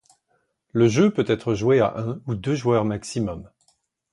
Le jeu peut être joué à un ou deux joueurs maximum.